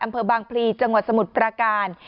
อำเภอบางพลีจังหวัดสมุทรปราการ